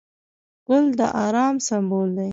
ګل د ارام سمبول دی.